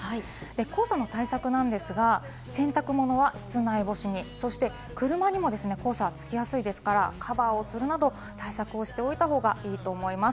黄砂の対策なんですが、洗濯物は室内干しに、そして車にも黄砂がつきやすいですからカバーをするなど、対策をしておいたほうがいいと思います。